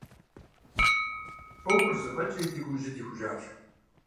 Ӏуэхур зэфӀэкӀри, ди гум жьы дихужащ.